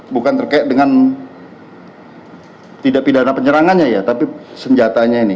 bukan terkait dengan tidak pidana penyerangannya ya tapi senjatanya ini